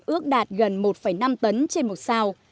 ước đạt gần một năm tấn trên một sao